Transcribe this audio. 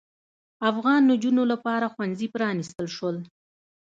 افغان نجونو لپاره ښوونځي پرانیستل شول.